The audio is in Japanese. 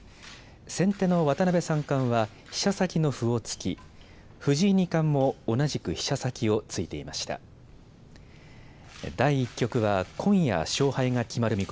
先手の渡辺三冠は飛車先の歩を突き藤井二冠も同じく飛車先を突いていました。